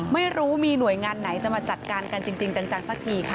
ไม่รู้มีหน่วยงานไหนจะมาจัดการกันจริงจังสักทีค่ะ